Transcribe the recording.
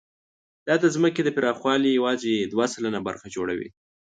دا د ځمکې د پراخوالي یواځې دوه سلنه برخه جوړوي.